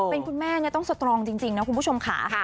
เป็นคุณแม่ต้องสตรองจริงนะคุณผู้ชมค่ะ